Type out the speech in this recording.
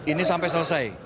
ini sampai selesai